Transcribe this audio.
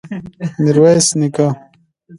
ميرويس نيکه!